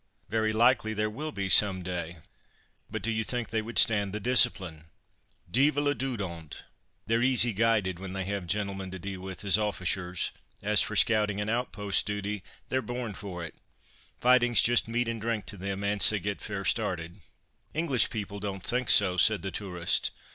"Very likely there will be, some day, but do you think they would stand the discipline?" "Deevil a doot on't, they're easy guided when they have gentlemen to deal with as offishers; as for scouting, and outpost duty, they're born for it. Fighting's just meat and drink to them, ance they get fair started." "English people don't think so," said the tourist.